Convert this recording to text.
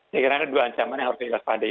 segera ada dua ancaman yang harus diwaspadai